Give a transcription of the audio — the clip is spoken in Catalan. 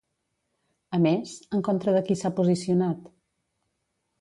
A més, en contra de qui s'ha posicionat?